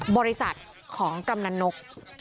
บริษัทของกำนันนก